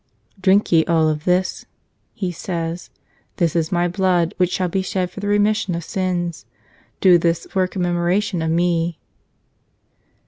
"Drink ye all of this," He says. "This is My Blood which shall be shed for the remission of sins. Do this for a com¬ memoration of Me."